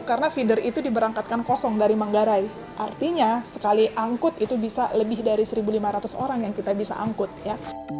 karena feeder itu diberangkatkan kosong dari manggarai artinya sekali angkut itu bisa lebih dari satu lima ratus orang yang kita bisa angkut ya